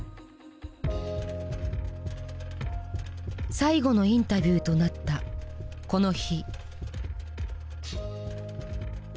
最後のインタビューとなったこの日。